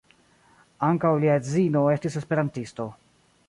Ankaŭ lia edzino estis esperantisto.